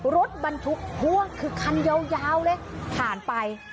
รถบรรทุกพ่วงคือคันยาวเลยผ่านไป